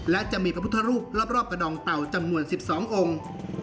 และจะมีพระพุทธรูปรอบกระดองเต่าจำนวน๑๒องค์